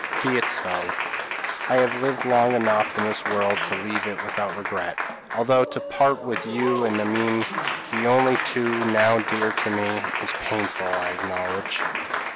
Be it so. I have lived long enough in this world to leave it without regret; although to part with you and Amine, the only two now dear to me, is painful, I acknowledge."